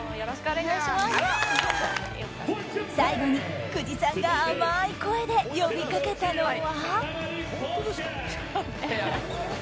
最後に、久慈さんが甘い声で呼びかけたのは。